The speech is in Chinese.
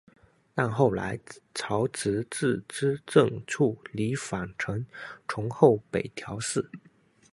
但后来朝直自资正处离反臣从后北条氏。